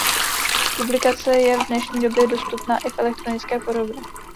Publikace je v dnešní době dostupná i v elektronické podobě.